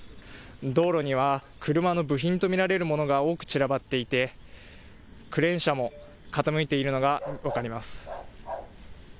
道路には車の部品と見られるものが多く散らばっていてクレーン車も傾いているのが分かります。